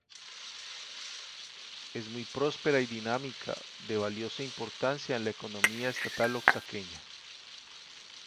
Es muy próspera y dinámica, de valiosa importancia en la economía Estatal Oaxaqueña.